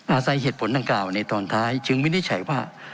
อาศัยเหตุผลดังกล่าวในตอนท้ายจึงวินิจฉัยว่า